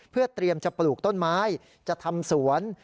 เพื่อเตรียมจะปลูกต้นไม้จะทำสวน